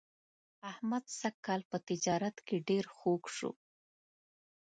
احمد سږ کال په تجارت کې ډېر خوږ شو.